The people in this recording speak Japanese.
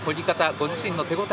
ご自身の手応え